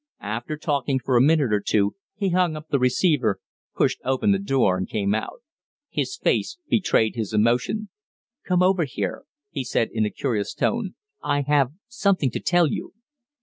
After talking for a minute or two he hung up the receiver, pushed open the door and came out. His face betrayed his emotion. "Come over here," he said in a curious tone. "I have something to tell you."